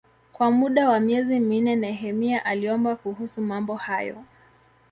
Kwa muda wa miezi minne Nehemia aliomba kuhusu mambo hayo.